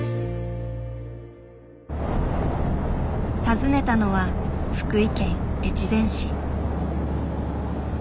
訪ねたのは福井県越前市。